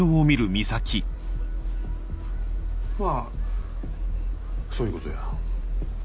まぁそういうことや。